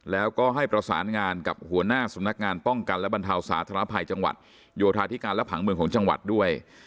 แล้วก็ให้ประสานงานกับหัวหน้าสำนักงานป้องกันและบรรเทาสาธารณภัยจังหวัดโยธาธิการและผังเมืองของจังหวัดด้วย